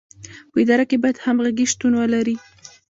په اداره کې باید همغږي شتون ولري.